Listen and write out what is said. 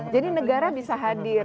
jadi negara bisa hadir